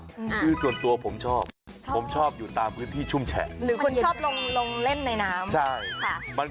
คือส่วนตัวผมชอบผมชอบอยู่ตามพื้นที่ชุ่มแฉะ